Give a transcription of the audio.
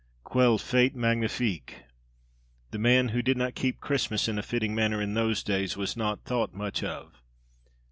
Quelle fête magnifique! The man who did not keep Christmas in a fitting manner in those days was not thought much of.